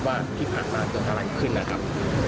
ว่าที่ผ่านมาเกิดอะไรขึ้นนะครับ